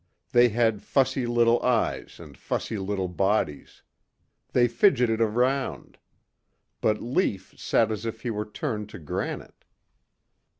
They had fussy little eyes and fussy little bodies. They fidgeted around. But Lief sat as if he were turned to granite.